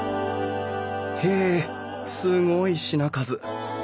へえすごい品数！